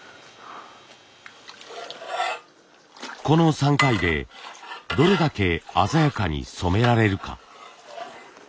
この３回でどれだけ鮮やかに染められるか。